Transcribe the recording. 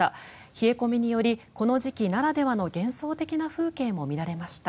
冷え込みによりこの時期ならではの幻想的な風景も見られました。